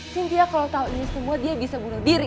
cynthia kalau tau ini semua dia bisa bunuh diri